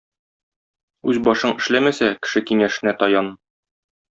Үз башың эшләмәсә кеше киңәшенә таян.